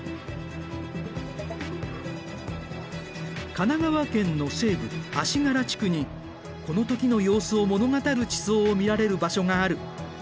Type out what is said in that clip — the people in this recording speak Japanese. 神奈川県の西部足柄地区にこの時の様子を物語る地層を見られる場所がある。